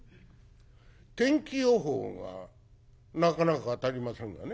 天気予報がなかなか当たりませんがね。